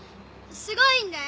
すごいんだよ！